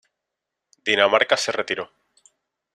Dinamarca se retiró.